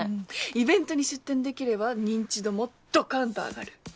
イベントに出展できれば認知度もドカンと上がる。